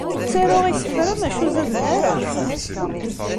Ttaruɣ isefra, maca ur zaden ara.